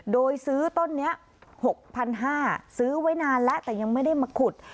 โดยซื้อต้นนี้๖๕๐๐บาทซื้อไว้นานแล้วแต่ยังไม่ได้มาขุด